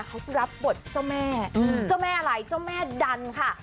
เขารับบทเจ้าแม่เจ้าแม่อะไรเจ้าแม่ดันค่ะ